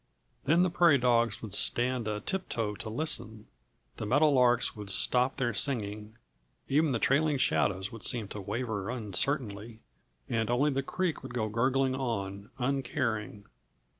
Then the prairie dogs would stand a tiptoe to listen. The meadowlarks would stop their singing even the trailing shadows would seem to waver uncertainly and only the creek would go gurgling on, uncaring.